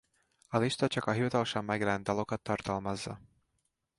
A lista csak a hivatalosan megjelent dalokat tartalmazza.